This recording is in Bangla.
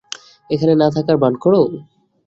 এখানে না থাকার ভান করো।